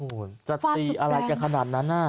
โอ้โหจะตีอะไรกันขนาดนั้นน่ะ